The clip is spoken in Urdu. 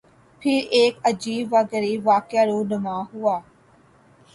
پھر ایک عجیب و غریب واقعہ رُونما ہوا